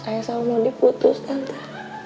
saya sama mondi putus tante